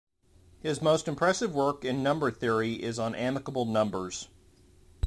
His most impressive work in number theory is on amicable numbers.